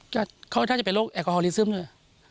ก็เขาน่าจะเป็นโรคแอลกอฮอลลิซึมด้วย